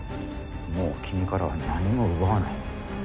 もう君からは何も奪わない。